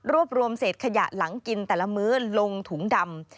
รวมเศษขยะหลังกินแต่ละมื้อลงถุงดำ